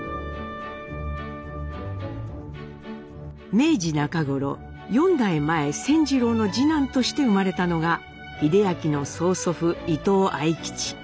明治中頃４代前仙次郎の次男として生まれたのが英明の曽祖父伊藤愛吉。